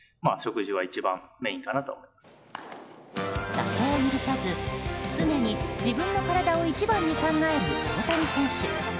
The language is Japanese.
妥協を許さず常に自分の体を一番に考える大谷選手。